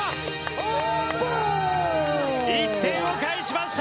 １点を返しました。